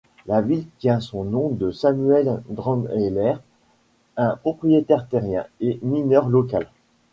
La ville tient son nom de Samuel Drumheller, un propriétaire terrien et mineur local.